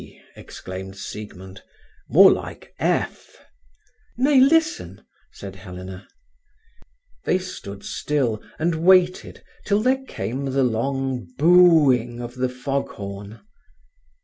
exclaimed Siegmund. "More like F." "Nay, listen!" said Helena. They stood still and waited till there came the long booing of the fog horn.